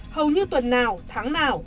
hầu như tuần nào tháng nào